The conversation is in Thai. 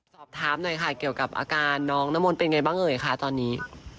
สอบถามหน่อยค่ะเกี่ยวกับอาการน้องน้ำมนต์เป็นไงบ้างเอ่ยคะตอนนี้